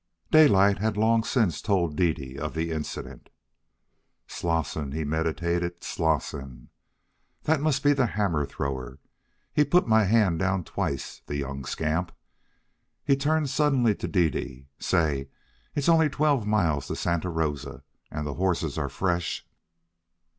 Daylight had long since told Dede of the incident. "Slosson?" he meditated, "Slosson? That must be the hammer thrower. He put my hand down twice, the young scamp." He turned suddenly to Dede. "Say, it's only twelve miles to Santa Rosa, and the horses are fresh."